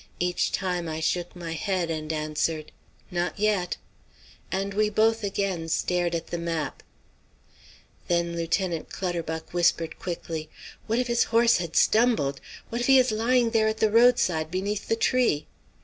Each time I shook my head, and answered: "Not yet," and we both again stared at the map. Then Clutterbuck whispered quickly: "What if his horse had stumbled? What if he is lying there at the roadside beneath the tree?"